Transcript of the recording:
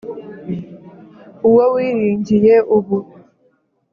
Uwo wiringiye ubu